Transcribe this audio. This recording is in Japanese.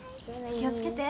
気をつけて。